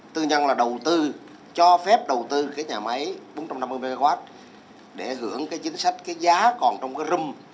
tư nhân là đầu tư cho phép đầu tư nhà máy bốn trăm năm mươi mw để hưởng chính sách giá còn trong rùm hai